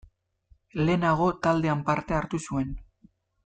Lehenago taldean parte hartu zuen.